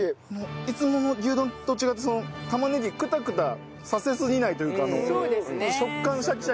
いつもの牛丼と違って玉ねぎクタクタさせすぎないというか食感シャキシャキ残ってて。